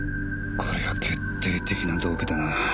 こりゃ決定的な動機だな。